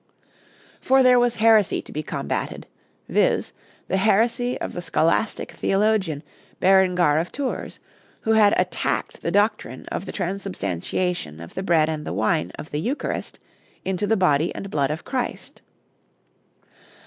For there was heresy to be combated; viz., the heresy of the scholastic theologian Berengar of Tours, who had attacked the doctrine of the transubstantiation of the bread and the wine of the Eucharist into the body and blood of Christ.